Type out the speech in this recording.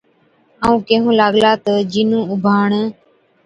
ائُون ڪيهُون لاگلا تہ، جِنُون اُڀاڻ،